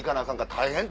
大変！